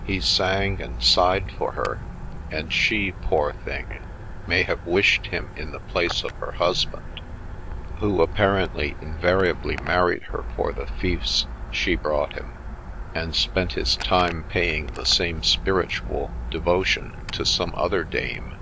He sang and sighed for her, and she, poor thing, may have wished him in the place of her husband, who apparently invariably married her for the fiefs she brought him, and spent his time paying the same spiritual devotion to some other dame.